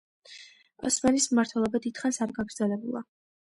ოსმანის მმართველობა დიდხანს არ გაგრძელებულა.